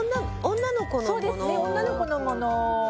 女の子のもの